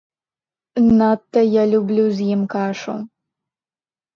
Надта я люблю з ім кашу.